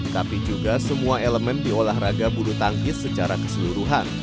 tapi juga semua elemen diolahraga bulu tangkis secara keseluruhan